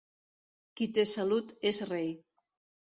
Qui té salut és rei.